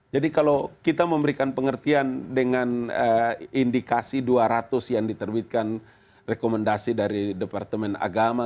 jadi kalau kita memberikan pengertian dengan indikasi dua ratus yang diterbitkan rekomendasi dari departemen agama